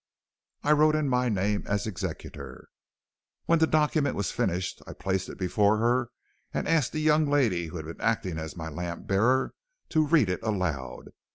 "I wrote in my name as executor. "When the document was finished, I placed it before her and asked the young lady who had been acting as my lamp bearer to read it aloud.